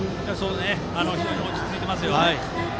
非常に落ち着いていますよ。